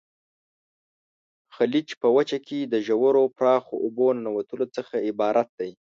خلیج په وچه کې د ژورو پراخو اوبو ننوتلو څخه عبارت دی.